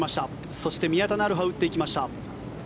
そして、宮田成華打っていきました。